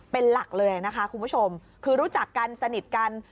เป็นหลักเลยนะคะคุณผู้ชมคือรู้จักกันสนิทกัน